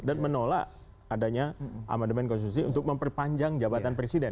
dan menolak adanya amandemen konstitusi untuk memperpanjang jabatan presiden